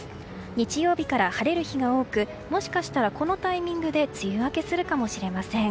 日曜日から晴れる日が多くもしかしたらこのタイミングで梅雨明けするかもしれません。